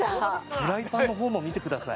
フライパンのほうも見てください